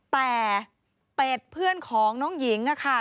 แต่เป็ดเพื่อนของน้องหญิงค่ะ